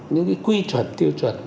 những cái quy chuẩn tiêu chuẩn